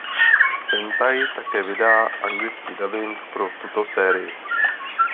Sentai také vydá anglický dabing pro tuto sérii.